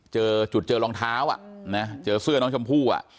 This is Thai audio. เจอจุดเจอรองเท้าเจอเสื้อน้องชมพู่